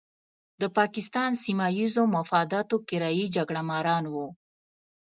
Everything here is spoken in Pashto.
د پاکستان سیمه ییزو مفاداتو کرایي جګړه ماران وو.